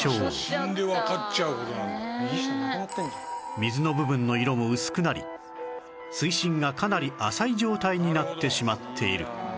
水の部分の色も薄くなり水深がかなり浅い状態になってしまっている